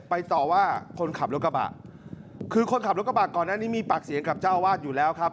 ต่อว่าคนขับรถกระบะคือคนขับรถกระบะก่อนหน้านี้มีปากเสียงกับเจ้าอาวาสอยู่แล้วครับ